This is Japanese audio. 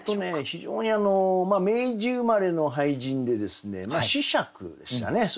非常に明治生まれの俳人でですね子爵でしたね。